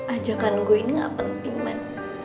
ajakan gue ini gak penting man